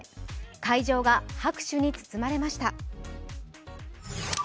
会場が拍手に包まれました。